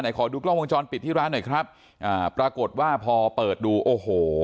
ขอดูกล้องวงจรปิดที่ร้านหน่อยครับอ่าปรากฏว่าพอเปิดดูโอ้โห